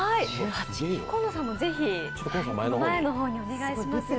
紺野さんもぜひ、前の方にお願いします。